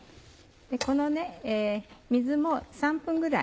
この水も３分ぐらい。